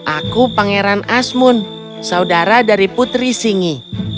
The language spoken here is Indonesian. aku pangeran asmun saudara dari putri singi